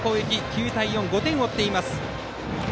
９対４、５点を追っています。